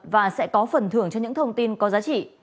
và sẽ có phần thưởng cho những thông tin có giá trị